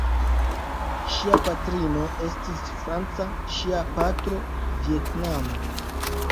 Ŝia patrino estis franca, ŝia patro vjetnama.